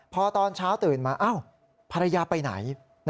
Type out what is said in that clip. พอตอนเช้าตื่นมาภรรยาไปไหน